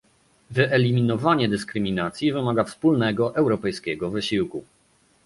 Wyeliminowanie dyskryminacji wymaga wspólnego europejskiego wysiłku